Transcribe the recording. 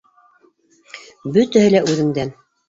Бөтәһе лә үҙеңдән.